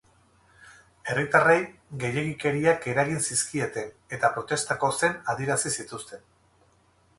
Herritarrei gehiegikeriak eragin zizkieten, eta protestak ozen adierazi zituzten.